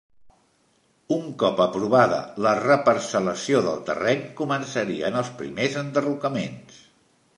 Un cop aprovada la reparcel·lació del terreny començarien els primers enderrocaments.